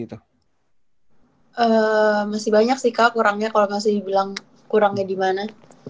eee masih banyak sih kak kurangnya kalo gak masih dibilang kurangnya dimana